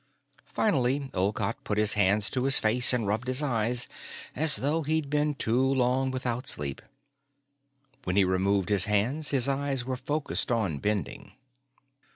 Finally, Olcott put his hands to his face and rubbed his eyes, as though he'd been too long without sleep. When he removed his hands, his eyes were focused on Bending.